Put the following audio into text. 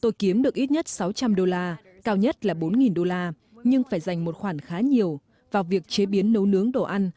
tôi kiếm được ít nhất sáu trăm linh đô la cao nhất là bốn đô la nhưng phải dành một khoản khá nhiều vào việc chế biến nấu nướng đồ ăn